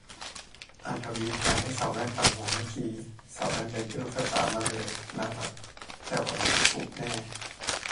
อ่านทวีตอย่าให้สาวแว่นปั่นหัวเมื่อกี๊ สาวแว่นเดินขึ้นรถไฟฟ้ามาเลย น่ารัก แต่วัยคุกคุกแน่